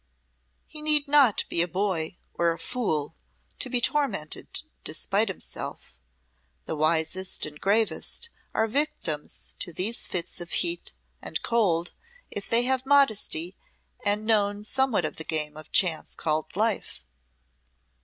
He need not be a boy or a fool to be tormented despite himself; the wisest and gravest are victims to these fits of heat and cold if they have modesty and know somewhat of the game of chance called Life.